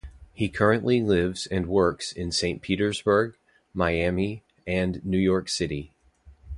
He currently lives and works in Saint Petersburg, Miami and New York City.